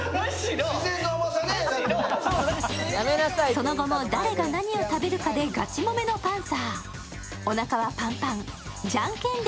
その後も誰が何を食べるかでガチもめのパンサー。